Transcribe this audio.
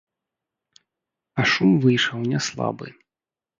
А шум выйшаў не слабы.